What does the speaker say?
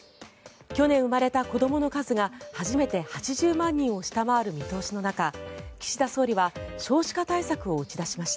去年生まれた子どもの数が初めて８０万人を下回る見通しの中岸田総理は少子化対策を打ち出しました。